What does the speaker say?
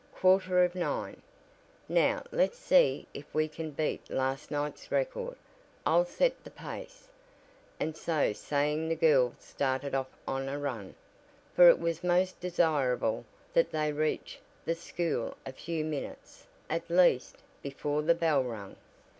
Quarter of nine. Now let's see if we can beat last night's record. I'll set the pace," and so saying the girls started off on a run, for it was most desirable that they reach the school a few minutes, at least, before the bell rang.